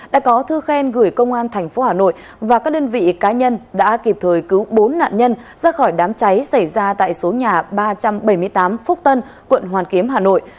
đã có thư khen gửi công an tp hà nội và các đơn vị cá nhân đã kịp thời cứu bốn nạn nhân ra khỏi đám cháy xảy ra tại số nhà ba trăm bảy mươi tám phúc tân quận hoàn kiếm hà nội